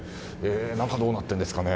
中、どうなっているんですかね。